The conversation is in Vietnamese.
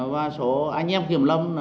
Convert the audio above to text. và số anh em kiểm lâm